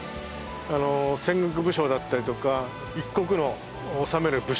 戦国武将だったりとか一国を治める武将